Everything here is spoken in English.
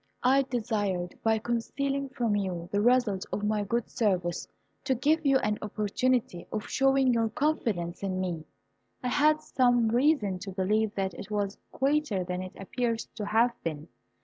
I desired, by concealing from you the result of my good service, to give you an opportunity of showing your confidence in me. I had some reason to believe that it was greater than it appears to have been.